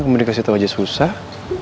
kamu dikasih tau aja susah